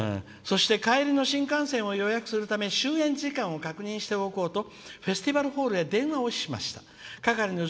「そして帰りの新幹線を予約するため終演時間を確認しておこうとフェスティバルホールへ電話をしました。